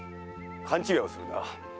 勘違いをするな。